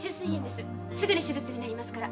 すぐに手術になりますから。